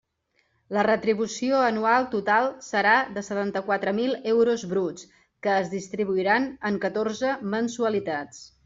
La retribució anual total serà de setanta-quatre mil euros bruts que es distribuiran en catorze mensualitats.